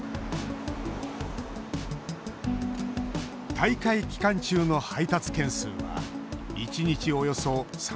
大会期間中の配達件数は１日およそ３０件。